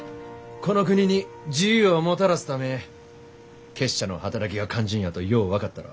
この国に自由をもたらすため結社の働きが肝心やとよう分かったろ？